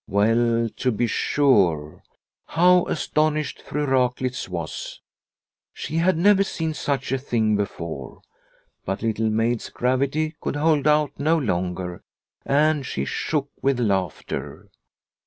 Well, to be sure ! How astonished Fru Raklitz was ! She had never seen such a thing before. But Little Maid's gravity could hold out no longer and she shook with laughter.